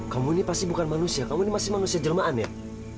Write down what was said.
kamu ini pasti bukan manusia kamu ini masih manusia jelmaan ya